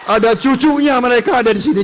ada cucunya mereka ada di sini